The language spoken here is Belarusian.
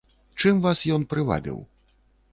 Чым вас ён прывабіў?